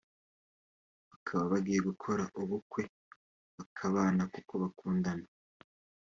bakaba bagiye gukora ubukwe bakabana kuko bakundana